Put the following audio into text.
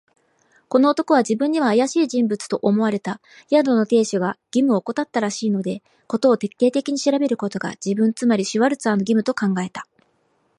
この男は自分にはあやしい人物と思われた。宿の亭主が義務をおこたったらしいので、事を徹底的に調べることが、自分、つまりシュワルツァーの義務と考えた。